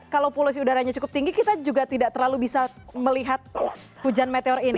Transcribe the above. kalau polusi udaranya cukup tinggi kita juga tidak terlalu bisa melihat hujan meteor ini